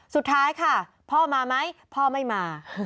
สุดท้ายค่ะพ่อมาไหมพ่อไม่มา